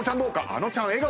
あのちゃん笑顔。